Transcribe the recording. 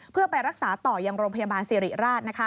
เพื่อไปรักษาต่อยังโรงพยาบาลสิริราช